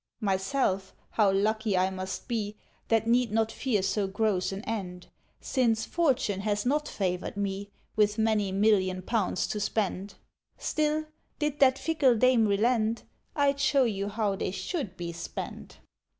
Myself, how lucky I must be, That need not fear so gross an end; Since Fortune has not favoured me With many million pounds to spend. (Still, did that fickle Dame relent, I'd show you how they should be spent!)